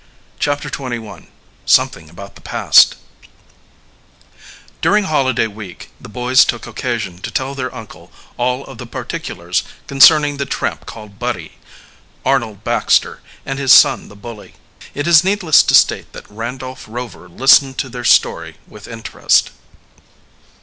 CHAPTER XXI SOMETHING ABOUT THE PAST During holiday week the boys took occasion to tell their uncle all of the particulars concerning the tramp called Buddy, Arnold Baxter, and his son the bully. It is needless to state that Randolph Rover listened to their story with interest.